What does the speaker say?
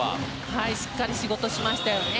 しっかり仕事しましたよね。